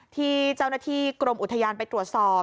ที่เจ้าหน้าที่กรมอุทยานไปตรวจสอบ